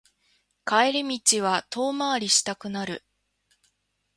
帰り道は遠回りしたくなる